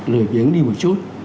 lười biếng đi một chút